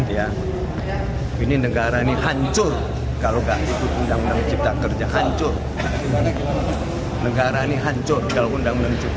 ya kalau undang undang cipta kerja nggak di